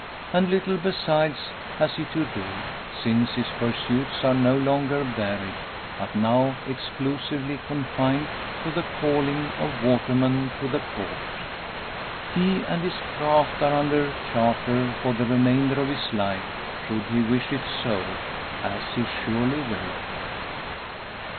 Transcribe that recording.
And little besides has he to do, since his pursuits are no longer varied, but now exclusively confined to the calling of waterman to the Court. He and his craft are under charter for the remainder of his life, should he wish it so as he surely will.